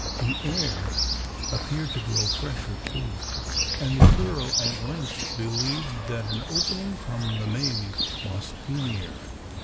The air appeared to grow fresher too; and the Earl at length believed that an opening from the maze must be near.